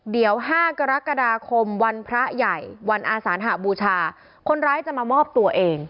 เดี๋ยว๕กรกฎาคมวันพระใหญ่วันอาสานหบูชาคนร้ายจะมามอบตัวเอง